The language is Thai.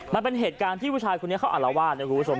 มันเป็นเหตุการณ์ที่ผู้ชายคนนี้เขาอารวาสนะคุณผู้ชม